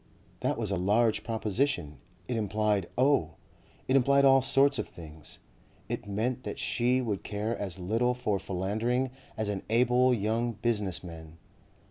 That was a large proposition; it implied oh! it implied all sorts of things. It meant that she would care as little for philandering as an able young business man.